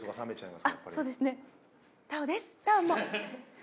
そうですね